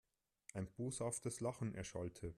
Ein boshaftes Lachen erschallte.